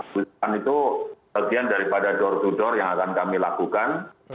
tujuan itu bagian daripada door to door yang akan kami lakukan